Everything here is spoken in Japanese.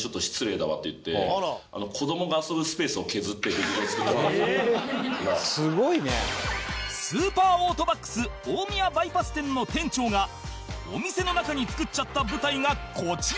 もう気合入っちゃってスーパーオートバックス大宮バイパス店の店長がお店の中に作っちゃった舞台がこちら